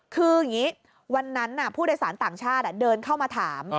คืออย่างนี้วันนั้นผู้โดยสารต่างชาติเดินเข้ามาถาม